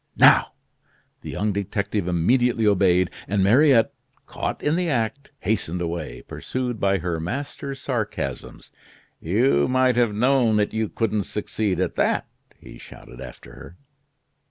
Now!" The young detective immediately obeyed, and Mariette, caught in the act, hastened away, pursued by her master's sarcasms. "You might have known that you couldn't succeed at that!" he shouted after her.